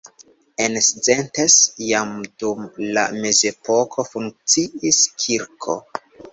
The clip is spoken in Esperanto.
En Szentes jam dum la mezepoko funkciis kirko.